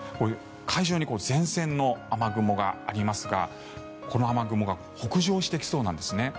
海上に前線の雨雲がありますがこの雨雲が北上してきそうなんです。